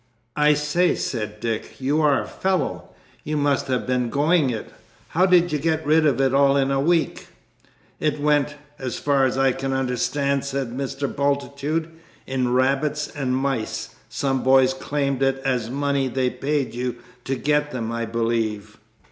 "I say," said Dick, "you are a fellow; you must have been going it. How did you get rid of it all in a week?" "It went, as far as I can understand," said Mr. Bultitude, "in rabbits and mice. Some boys claimed it as money they paid you to get them, I believe."